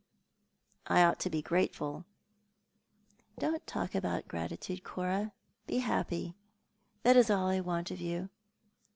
I ought to bo grateful." " Don't talk about gratitude, Cora. Be happy. That is all I want of you."